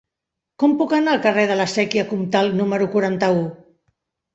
Com puc anar al carrer de la Sèquia Comtal número quaranta-u?